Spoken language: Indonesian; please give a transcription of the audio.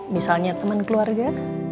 misalnya teman keluarga